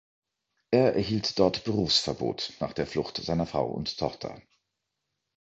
Er erhielt dort Berufsverbot, nach der Flucht seiner Frau und Tochter.